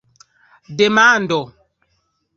demando